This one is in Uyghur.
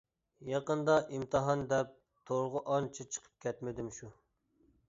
يېقىندا ئىمتىھان دەپ تورغا ئانچە چىقىپ كەتمىدىم شۇ.